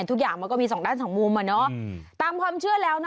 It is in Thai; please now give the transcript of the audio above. ทุกอย่างมันก็มีสองด้านสองมุมตามความเชื่อแล้วนะ